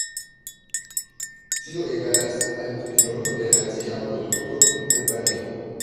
Tio egalas al kvinono de la nacia produkto en Albanio.